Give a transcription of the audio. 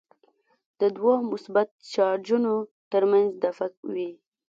د دوو مثبت چارجونو ترمنځ دفعه وي.